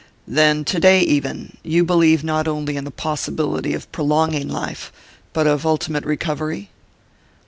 "Then, today even, you believe not only in the possibility of prolonging life, but of ultimate recovery?"